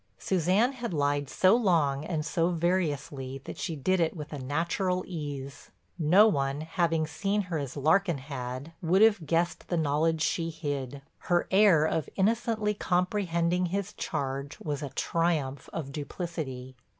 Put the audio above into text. Suzanne had lied so long and so variously that she did it with a natural ease. No one, having seen her as Larkin had, would have guessed the knowledge she hid. Her air of innocently comprehending his charge was a triumph of duplicity.